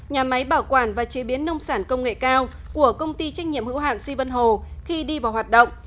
nhà máy bảo quản và chế biến nông sản công nghệ cao của công ty trách nhiệm hữu hạn duy vân hồ khi đi vào hoạt động